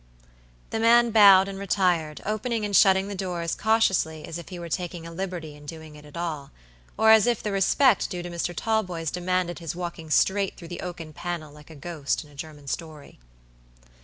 The man bowed and retired, opening and shutting the door as cautiously as if he were taking a liberty in doing it at all, or as if the respect due to Mr. Talboys demanded his walking straight through the oaken panel like a ghost in a German story.